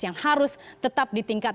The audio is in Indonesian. yang harus tetap di tingkat